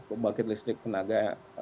pembangkitan listrik tenaga